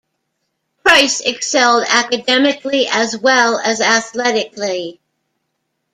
Price excelled academically as well as athletically.